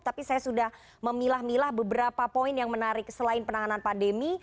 tapi saya sudah memilah milah beberapa poin yang menarik selain penanganan pandemi